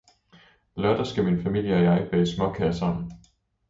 Lørdag skal min familie og jeg bage småkager sammen.